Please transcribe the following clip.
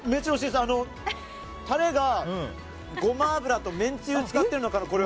タレがゴマ油とめんつゆを使っているのかな。